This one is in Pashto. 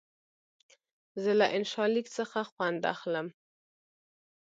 زه له انشا لیک څخه خوند اخلم.